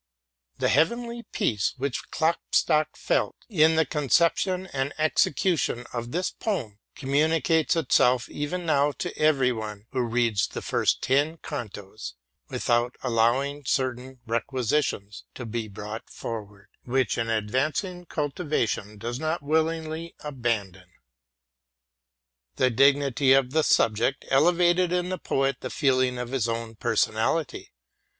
The heavenly peace which Klopstock felt in the conception and execution of this poem communicates itself even now to every one who reads the first ten cantos, without allowing certain requisitions to be brought forward, which an advan cing cultivation does not willingly abandon. The dignity of the subject elevated in the poet the feeling of his own personality.